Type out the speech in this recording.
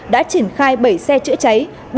đã triển khai bảy xe chữa cháy